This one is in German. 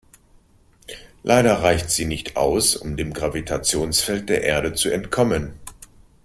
Leider reicht sie nicht aus, um dem Gravitationsfeld der Erde zu entkommen.